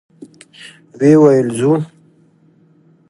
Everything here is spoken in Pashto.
ويې ويل: ځو؟